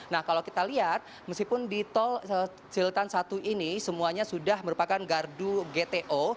nah kalau kita lihat meskipun di tol ciltan satu ini semuanya sudah merupakan gardu gto